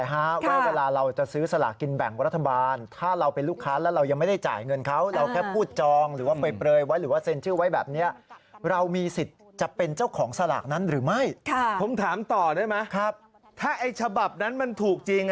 หรือไม่ค่ะผมถามต่อได้ไหมครับถ้าไอ้ฉบับนั้นมันถูกจริงอ่ะ